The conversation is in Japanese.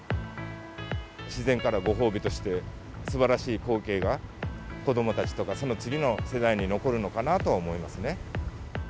自然からご褒美としてすばらしい光景が、子どもたちとかその次の世代に残るのかなとは思いますね。